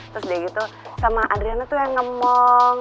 terus dia gitu sama adriana tuh yang ngemong